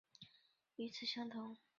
成因也大致与此相同。